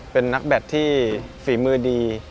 เป็นนักแบตที่ฝีมือดี